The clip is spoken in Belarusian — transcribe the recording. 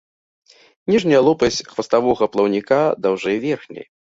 Ніжняя лопасць хваставога плаўніка даўжэй верхняй.